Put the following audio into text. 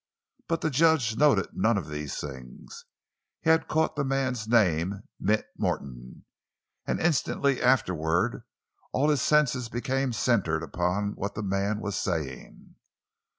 But the judge noted none of those things. He had caught the man's name—Mint Morton—and instantly afterward all his senses became centered upon what the man was saying.